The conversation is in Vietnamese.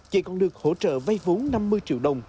chị còn được hỗ trợ vay vốn năm mươi triệu đồng